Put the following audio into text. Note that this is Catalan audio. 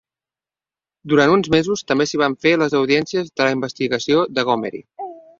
Durant uns mesos també s'hi van fer les audiències de la investigació de Gomery.